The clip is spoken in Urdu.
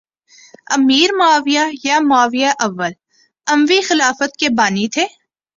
امیر معاویہ یا معاویہ اول اموی خلافت کے بانی تھے